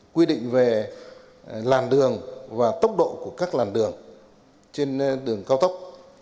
quy định về làn đường và tốc độ của các làn đường trên đường cao tốc